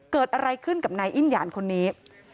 เกิดอะไรขึ้นกับนายอิ้นหยานคนนี้